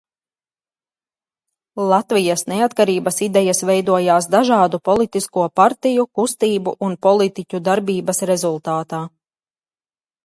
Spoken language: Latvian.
Latvijas neatkarības idejas veidojās dažādu politisko partiju, kustību un politiķu darbības rezultātā.